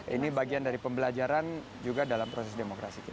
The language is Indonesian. ini bagian dari pembelajaran juga dalam proses demokrasi kita